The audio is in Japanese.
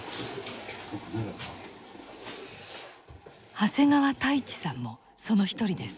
長谷川太一さんもその一人です。